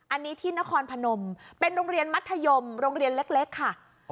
อันนี้ที่นครพนมเป็นโรงเรียนมัธยมโรงเรียนเล็กค่ะ